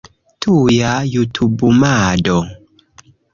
Tuja jutubumado